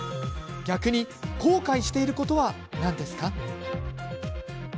逆に、後悔していることは何ですか？